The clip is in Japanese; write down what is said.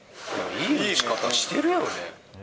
いい打ち方してるよね。